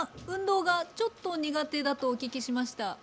運動がちょっと苦手だとお聞きしました。